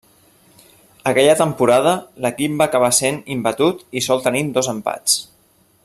Aquella temporada l'equip va acabar sent imbatut i sol tenint dos empats.